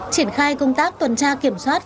triển khai công tác tuần tra kiểm soát